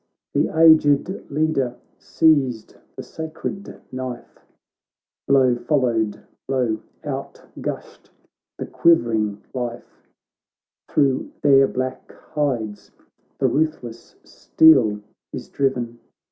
The aged leader seized the sacred knife, Blow followed blow, out gushed the quivering life ; Thro' their black hides the ruthless steel is driven.